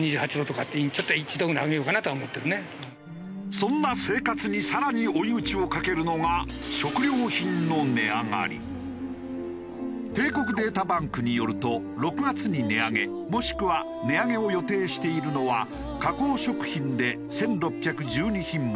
そんな生活に更に追い打ちをかけるのが帝国データバンクによると６月に値上げもしくは値上げを予定しているのは加工食品で１６１２品目